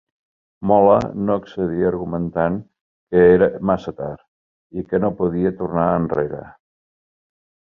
Mola no accedí argumentant que era massa tard i que no podia tornar enrere.